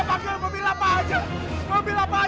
saya keseluruhan amin amin